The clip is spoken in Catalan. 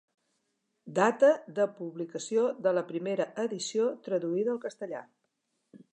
Data de publicació de la primera edició traduïda al castellà.